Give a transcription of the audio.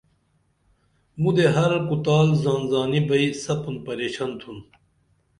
مُدے ہر کُتال زان زانی بئی سپُن پریشن تُھن